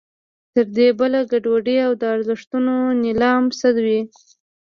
تر دې بله ګډوډي او د ارزښتونو نېلام څه وي.